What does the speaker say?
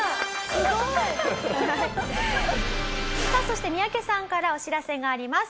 すごい。さあそして三宅さんからお知らせがあります。